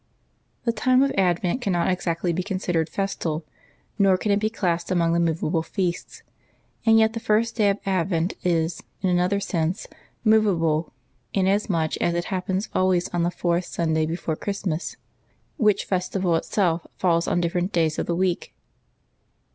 J^nHE time of Advent cannot exactly be considered festal, V^ nor can it be classed among the movable feasts; and yet the first day of Advent is, in another sense, movahle, inasmuch as it happens always on the fourth Sunday before Christmas — which festival itself falls on different days of the week.